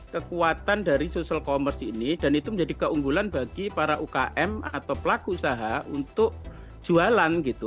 kekuatan dari social commerce ini dan itu menjadi keunggulan bagi para ukm atau pelaku usaha untuk jualan gitu